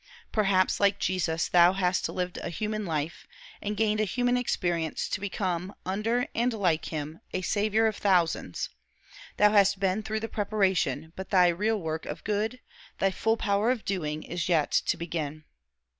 Perhaps, like Jesus, thou hast lived a human life, and gained a human experience, to become, under and like him, a saviour of thousands; thou hast been through the preparation, but thy real work of good, thy full power of doing, is yet to begin.